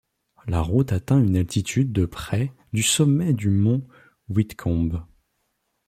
La route atteint une altitude de près du sommet du mont Whitcomb.